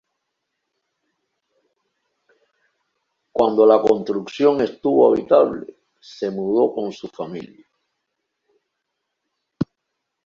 Cuando la construcción estuvo habitable, se mudó con su familia.